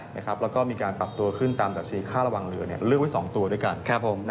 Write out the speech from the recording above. แล้วก็มีการปรับตัวขึ้นตามดัชชีค่าระวังเรือเลือกไว้๒ตัวด้วยกัน